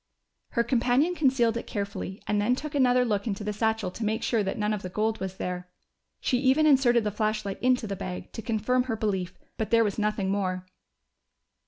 Her companion concealed it carefully and then took another look into the satchel to make sure that none of the gold was there. She even inserted the flashlight into the bag, to confirm her belief. But there was nothing more.